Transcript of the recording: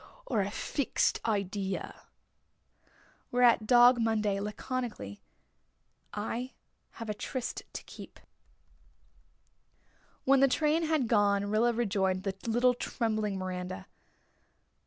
Or a fixed idea?" Whereat Dog Monday, laconically: "I have a tryst to keep." When the train had gone Rilla rejoined the little trembling Miranda.